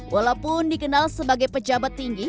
walaupun dikenal sebagai pejabat tinggi